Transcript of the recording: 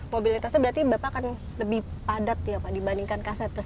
mobilitasnya berarti bapak akan lebih padat ya pak dibandingkan kaset plus